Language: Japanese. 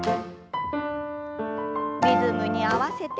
リズムに合わせて。